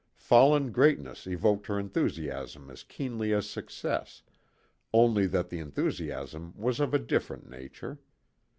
Fallen greatness evoked her enthusiasm as keenly as success, only that the enthusiasm was of a different nature.